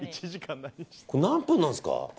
これ、何分なんですか？